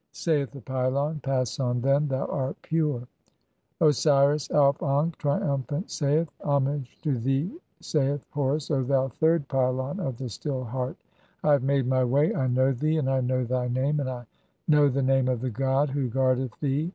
[Saith the pylon :—] "Pass on, then, thou art pure." III. (9) The Osiris Auf ankh, triumphant, saith :— "Homage to thee, saith Horus, O thou third pylon of the "Still Heart. I have made [my] way. I know thee, and I know "thy name, and I know the name of the god (10) who guardeth "thee.